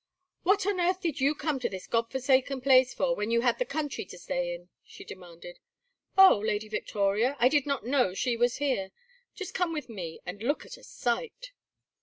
"What on earth did you come to this God forsaken place for, when you had the country to stay in?" she demanded. "Oh, Lady Victoria? I did not know she was here. Just come with me and look at a sight."